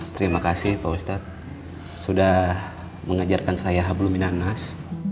terima kasih pak ustadz sudah mengajarkan saya hablu minarnas